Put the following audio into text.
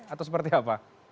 atau seperti apa